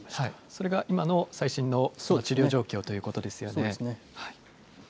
それが今の最新の治療状況ということですよね。